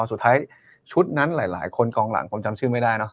สุดท้ายชุดนั้นหลายคนกองหลังผมจำชื่อไม่ได้เนอ